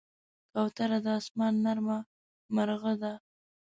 کوتره د آسمان نرمه مرغه ده.